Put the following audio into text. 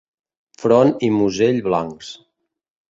Front i musell blancs.